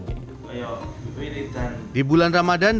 di bulan ramadan